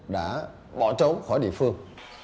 đã bỏ trốn khỏi địa phương